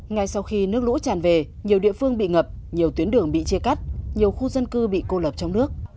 ngay sau khi nước lũ tràn về nhiều địa phương bị ngập nhiều tuyến đường bị chia cắt nhiều khu dân cư bị cô lập trong nước